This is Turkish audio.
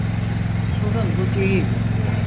Sorun bu değil.